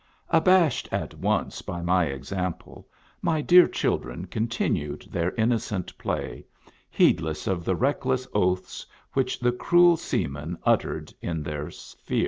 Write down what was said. Abashed at once by my example, my dear children continued their innocent play, heed less of the reckless oaths which the cruel se"amen uttered in their fear.